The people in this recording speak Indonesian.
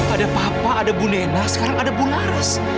ada papa ada bu nena sekarang ada bu naras